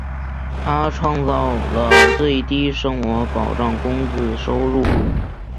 他创造了最低生活保障工资收入。